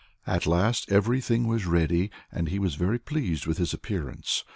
At last everything was ready, and he was very pleased with his appearance.